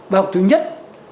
bài học thứ nhất